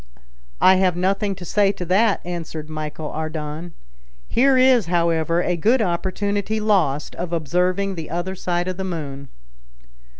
"I have nothing to say to that," answered Michel Ardan. "Here is, however, a good opportunity lost of observing the other side of the moon."